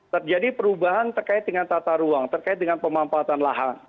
terjadi perubahan terkait dengan tata ruang terkait dengan pemampatan lahan